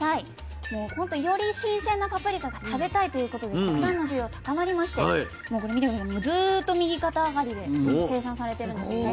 もうほんとより新鮮なパプリカが食べたいということで国産の需要高まりましてずっと右肩上がりで生産されてるんですね。